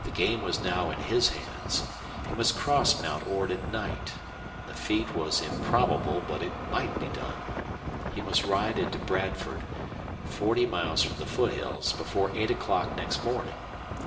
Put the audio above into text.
The game was now in his hands. He must cross Mount Ord at night. The feat was improbable, but it might be done. He must ride into Bradford, forty miles from the foothills before eight o'clock next morning.